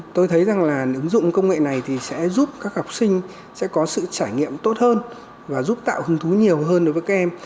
tôi thấy rằng là ứng dụng công nghệ này thì sẽ giúp các học sinh sẽ có sự trải nghiệm tốt hơn và giúp tạo hứng thú nhiều hơn đối với các em